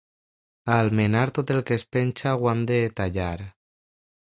A Almenar, tot el que penja ho han de tallar.